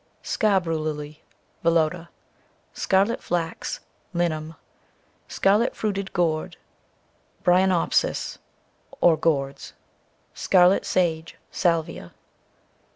Scarbrough Lily, it Vallota. Scarlet Flax, it Linutn. Scarlet fruited Gourd, tc Bryonopsis, or Gourds. Scarlet Sage, (t Salvia.